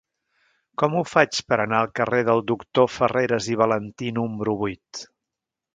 Com ho faig per anar al carrer del Doctor Farreras i Valentí número vuit?